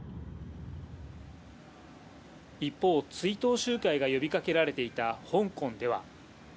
一方、追悼集会が呼びかけられていた香港では。